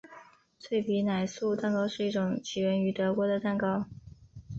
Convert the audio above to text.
脆皮奶酥蛋糕是一种起源于德国的蛋糕。